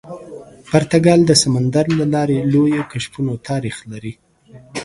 پرتګال د سمندر له لارې لویو کشفونو تاریخ لري.